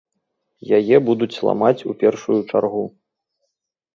Яе будуць ламаць у першую чаргу.